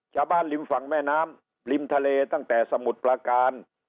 จ้าบ้านลิมฝั่งแม่น้ำลิมทะเลตั้งแต่สมุดประการ